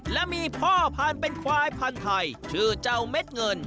และมีพ่อพันธุ์เป็นควายพันธุ์ไทยชื่อเจ้าเม็ดเงิน